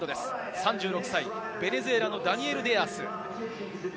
３６歳、ベネズエラのダニエル・デアース。